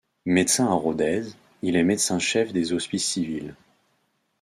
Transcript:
Médecin à Rodez, il est médecin chef des hospices civils.